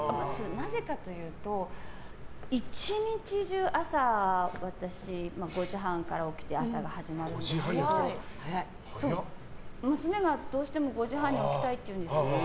なぜかというと、１日中朝、私５時半から起きて朝が始まるんですけど娘がどうしても５時半に置きたいっていうんですよ。